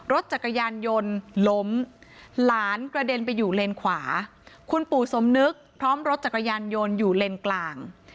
รถจักรยานยนต์ล้มหลานกระเด็นไปอยู่เลนขวาคุณปู่สมนึกพร้อมรถจักรยานยนต์อยู่เลนกลาง